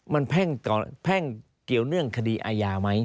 มันแพ่งเกี่ยวเนื่องคดีอาญาไหม